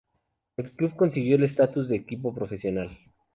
El club consiguió el estatus de equipo profesional.